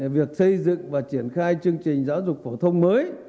việc xây dựng và triển khai chương trình giáo dục phổ thông mới